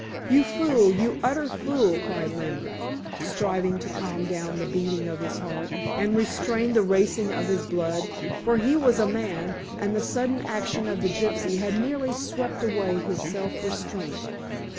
"You fool you utter fool!" cried Lambert, striving to calm down the beating of his heart, and restrain the racing of his blood, for he was a man, and the sudden action of the gypsy had nearly swept away his self restraint.